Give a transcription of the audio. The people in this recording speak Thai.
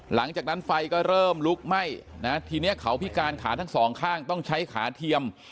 หลังจากนั้นไฟก็เริ่มลุกไหม้นะทีนี้เขาพิการขาทั้งสองข้างต้องใช้ขาเทียม